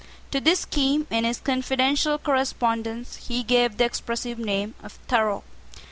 To this scheme, in his confidential correspondence, he gave the expressive name of Thorough.